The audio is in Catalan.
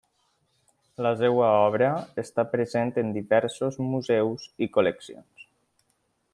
La seva obra està present en diversos museus i col·leccions.